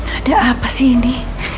ada apa sih ini